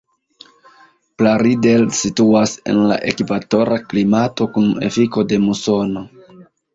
Plaridel situas en la ekvatora klimato kun efiko de musono.